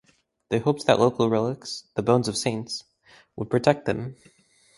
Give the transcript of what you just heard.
They hoped that local relics (the "bones of the saints") would protect them.